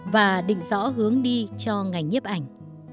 và định rõ hướng đi cho ngành nhiệm ảnh